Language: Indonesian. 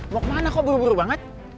mau ke mana kok buru buru banget